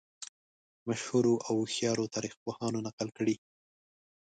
مشهورو او هوښیارو تاریخ پوهانو نقل کړې.